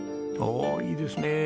おおいいですね。